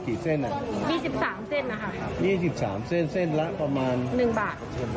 เส้นอ่ะยี่สิบสามเส้นนะคะครับยี่สิบสามเส้นเส้นละประมาณหนึ่งบาท